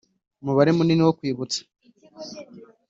umubare munini wo kwibutsa ,